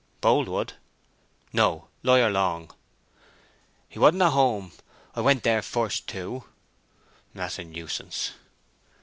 "Boldwood?" "No—Lawyer Long." "He wadn' at home. I went there first, too." "That's a nuisance."